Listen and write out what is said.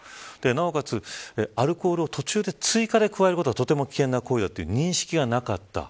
なおかつ、アルコールを途中で追加で加えることはとても危険な行為だという認識がなかった。